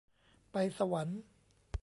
ไปสวรรค์